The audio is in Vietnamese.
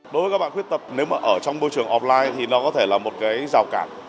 đối với các bạn khuyết tật nếu mà ở trong môi trường offline thì nó có thể là một cái rào cản